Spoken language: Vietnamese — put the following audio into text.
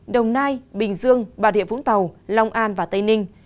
đồng nai bình dương bà rịa vũng tàu long an và tây ninh